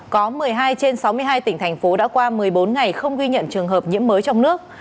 có một mươi hai trên sáu mươi hai tỉnh thành phố đã qua một mươi bốn ngày không ghi nhận trường hợp nhiễm mới trong nước